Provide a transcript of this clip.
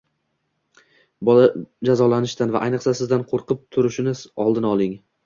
bola jazolanishdan, va ayniqsa Sizdan qo‘rqib turishini oldini oling.